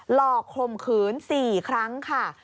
หลอกข่มขืน๔ครั้งค่ะ